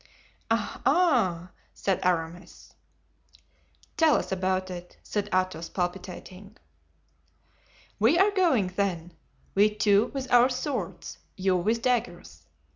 "Ah! ah!" said Aramis. "Tell us about it," said Athos, palpitating. "We are going, then, we two with our swords, you with daggers.